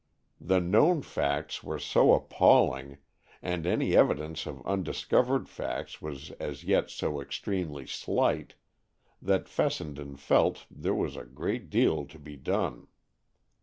The known facts were so appalling, and any evidence of undiscovered facts was as yet so extremely slight, that Fessenden felt there was a great deal to be done.